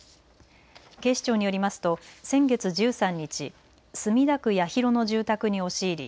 警視庁によりますと先月１３日、墨田区八広の住宅に押し入り